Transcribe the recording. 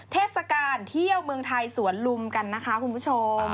เทศกาลเที่ยวเมืองไทยสวนลุมกันนะคะคุณผู้ชม